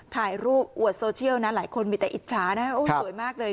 ถ่ายรูปอวดโซเชียลนะหลายคนมีแต่อิจฉานะสวยมากเลย